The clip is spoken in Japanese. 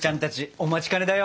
お待ちかねだよ！